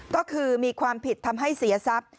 ก็คือมีความผิดทำให้เสียทรัพย์